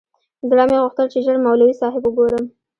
زړه مې غوښتل چې ژر مولوي صاحب وگورم.